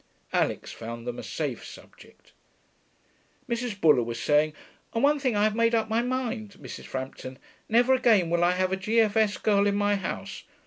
Alix found them a safe subject. Mrs. Buller was saying, 'On one thing I have made up my mind, Mrs. Frampton; never again will I have a G.F.S. girl in my house.